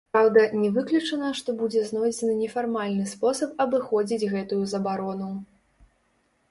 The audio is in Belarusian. Праўда, не выключана, што будзе знойдзены нефармальны спосаб абыходзіць гэтую забарону.